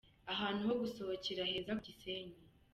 Ahantu ho gusohokera haza ni ku Gisenyi.